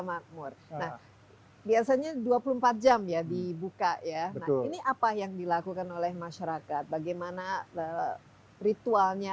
makmur nah biasanya dua puluh empat jam ya dibuka ya nah ini apa yang dilakukan oleh masyarakat bagaimana ritualnya